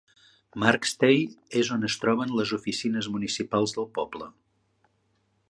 Markstay és on es troben les oficines municipals del poble.